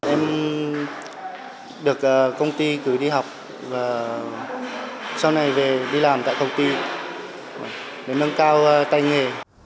em được công ty cử đi học và sau này về đi làm tại công ty để nâng cao tay nghề